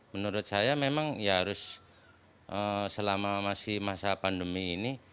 menurut saya memang ya harus selama masih masa pandemi ini